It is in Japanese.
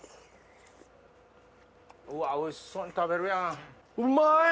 うわおいしそうに食べるやん。